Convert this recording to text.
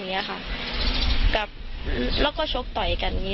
เพราะไม่เคยถามลูกสาวนะว่าไปทำธุรกิจแบบไหนอะไรยังไง